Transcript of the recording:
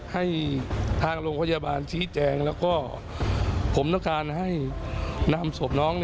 ให้ทางโรงพยาบาลชี้แจงแล้วก็ผมต้องการให้นำศพน้อง